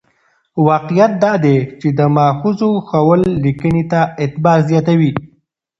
واقعیت دا دی چې د ماخذونو ښوول لیکنې ته اعتبار زیاتوي.